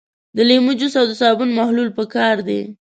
د لیمو جوس او د صابون محلول پکار دي.